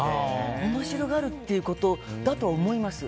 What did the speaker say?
面白がるっていうことだと思います。